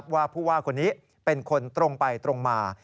ว่าผู้ว่าคนนี้เป็นคนตรงไปตรงมา